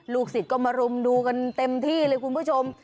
ศิษย์ก็มารุมดูกันเต็มที่เลยคุณผู้ชม